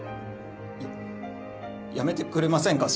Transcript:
ややめてくれませんか？